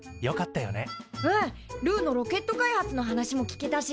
うんルーのロケット開発の話も聞けたし。